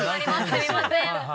すみません。